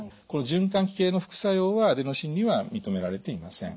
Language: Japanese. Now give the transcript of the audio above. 循環器系の副作用はアデノシンには認められていません。